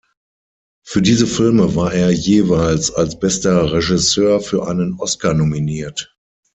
Für diese Filme war er jeweils als bester Regisseur für einen Oscar nominiert.